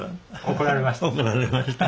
怒られました。